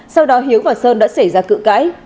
sau đó hiếu và sơn đã xảy ra cự cãi